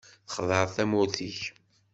Txedɛeḍ tamurt-ik.